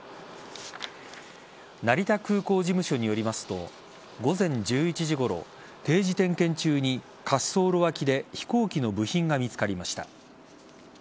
成田空港事務所によりますと午前１１時ごろ定時点検中に滑走路脇で飛行機の部品が見つかりました。